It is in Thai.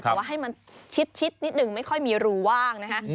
แต่ว่าให้มันชิดนิดนึงไม่ค่อยมีรูว่างนะฮะ